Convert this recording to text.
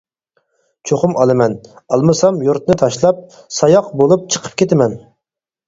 -چوقۇم ئالىمەن، ئالمىسام يۇرتنى تاشلاپ، ساياق بولۇپ چىقىپ كېتىمەن.